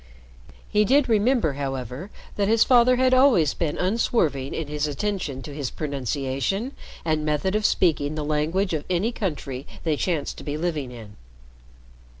He did remember, however, that his father had always been unswerving in his attention to his pronunciation and method of speaking the language of any country they chanced to be living in.